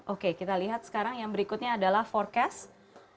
oke kita lihat sekarang yang berikutnya adalah forecast